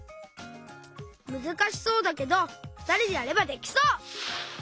むずかしそうだけどふたりでやればできそう！